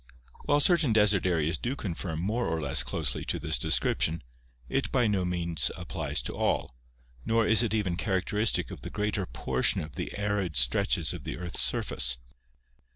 While certain desert areas do conform more or less closely to this descrip tion, it by no means applies to all, nor is it even characteristic of the greater portion of the arid stretches of the earth's surface.